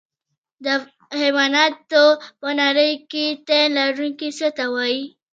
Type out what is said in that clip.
د حیواناتو په نړۍ کې تی لرونکي څه ته وایي